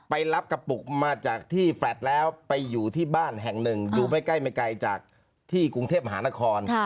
ไปรับกระปุกมาจากที่แฟลตแล้วไปอยู่ที่บ้านแห่งหนึ่งอยู่ไม่ใกล้ไม่ไกลจากที่กรุงเทพมหานคร